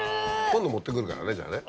今度持ってくるからねじゃあね